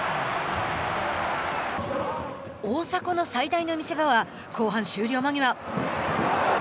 大迫の最大の見せ場は後半終了間際。